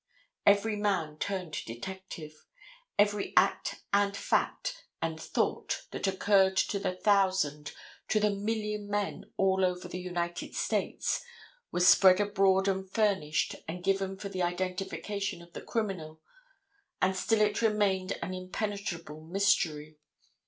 Every man turned detective. Every act and fact and thought that occurred to the thousand, to the million men all over the United States, was spread abroad and furnished and given for the identification of the criminal, and still it remained an impenetrable mystery.